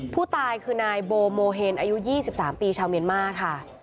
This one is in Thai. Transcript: ผู้ตายคือนายโบโมเฮนอายุ๒๓ปีชาวเมียนมาร์ค่ะ